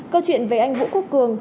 câu chuyện về anh vũ quốc cường